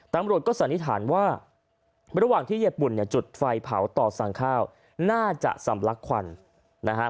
ตารมรดก็สัณภาษณ์ว่าในระหว่างที่เย็บปุ่นจุดไฟเผาต่อสั่งข้าวน่าจะสำลักขวัญนะครับ